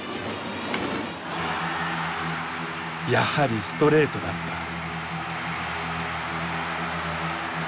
やはりストレートだった。